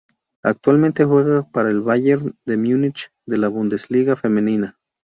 Actualmente juega para el Bayern de Múnich de la Bundesliga femenina.